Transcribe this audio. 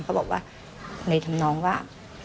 เขาบอกว่าในทั้งน้องว่า